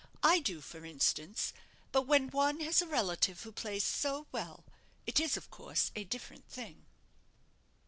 I do, for instance; but when one has a relative who plays so well, it is, of course, a different thing."